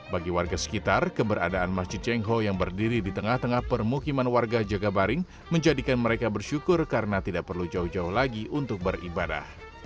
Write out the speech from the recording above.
bagi warga sekitar keberadaan masjid cengho yang berdiri di tengah tengah permukiman warga jagabaring menjadikan mereka bersyukur karena tidak perlu jauh jauh lagi untuk beribadah